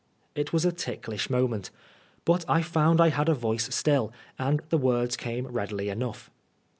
It was a ticklish moment. But I found I had a voice stilly and the words came readily enough.